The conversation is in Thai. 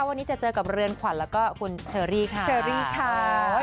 วันนี้จะเจอกับเรือนขวัญแล้วก็คุณเชอรี่ค่ะเชอรี่ค่ะ